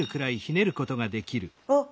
あっ！